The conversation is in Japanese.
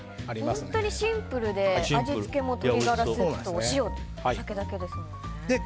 本当にシンプルで味付けも鶏ガラスープとお塩、お酒だけですものね。